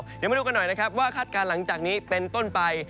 เดี๋ยวมาดูกันหน่อยนะครับว่าคาดการณ์หลังจากนี้เป็นต้นไป